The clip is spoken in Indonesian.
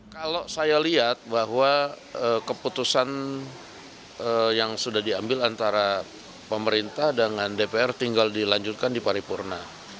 kalau saya lihat bahwa keputusan yang sudah diambil antara pemerintah dengan dpr tinggal dilanjutkan di paripurna